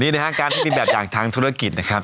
นี่นะฮะการที่มีแบบอย่างทางธุรกิจนะครับ